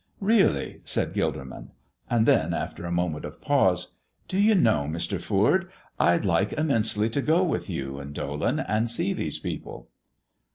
"Really!" said Gilderman. And then, after a moment of pause: "Do you know, Mr. Foord, I'd like immensely to go with you and Dolan and see these people."